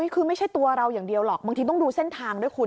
คือไม่ใช่ตัวเราอย่างเดียวหรอกบางทีต้องดูเส้นทางด้วยคุณ